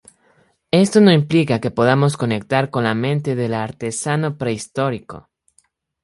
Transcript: Esto no implica que podamos conectar con la mente del artesano prehistórico.